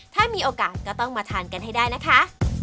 ถ้ามีโอกาสก็ต้องมาทานกันให้ได้นะคะ